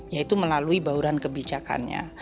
yaitu melalui bauran kebijakannya